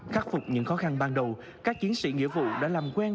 đằng đầu các chiến sĩ nghĩa vụ đã làm quen